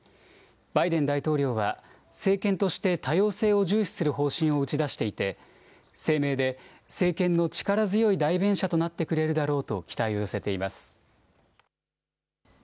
バイデン大統領は政権として多様性を重視する方針を打ち出していて声明で政権の力強い代弁者となってくれるだろうと期待を寄せています。